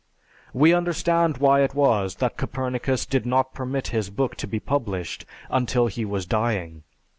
We understand why it was that Copernicus did not permit his book to be published until he was dying.